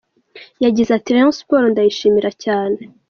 Yagize ati “Rayon Sports ndayishimira cyane.